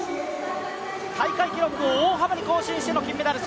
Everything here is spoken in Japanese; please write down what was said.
大会記録を大幅に更新しての金メダル。